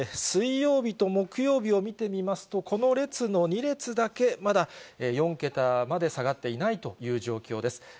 水曜日と木曜日を見てみますと、この列の２列だけ、まだ４桁まで下がっていないという状況です。